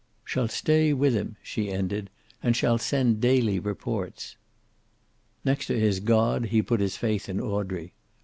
"Shall stay with him,"' she ended, "and shall send daily reports." Next to his God, he put his faith in Audrey.